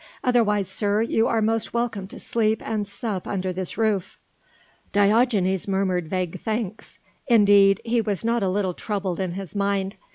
Otherwise, sir, you are most welcome to sleep and sup under this roof." Diogenes murmured vague thanks. Indeed, he was not a little troubled in his mind.